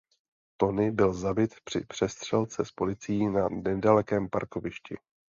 Tony byl zabit při přestřelce s policií na nedalekém parkovišti.